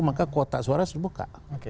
maka kuota suara sudah buka